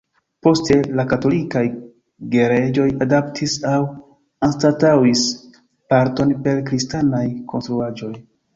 Poste, la Katolikaj Gereĝoj adaptis aŭ anstataŭis parton per kristanaj konstruaĵoj.